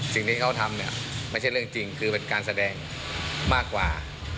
สิ่งที่เขาทำเนี่ยไม่ใช่เรื่องจริงคือเป็นการแสดงมากกว่า